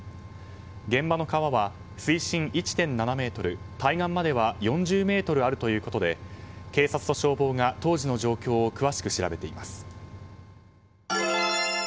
現場の川は水深１．７ｍ対岸までは４０ｍあるということで警察と消防が当時の状況を詳しく調べています。